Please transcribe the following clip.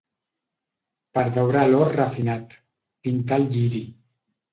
Per daurar l'or refinat, pintar el lliri